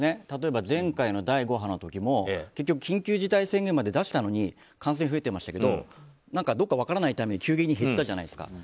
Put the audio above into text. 例えば、前回の第５波の時も結局、緊急事態宣言まで出したのに感染増えてましたけどどこか分からないタイミングで急激に減ったじゃないですか。